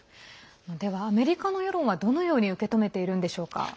では、アメリカの世論はどのように受け止めているんでしょうか。